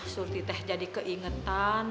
surti teh jadi keingetan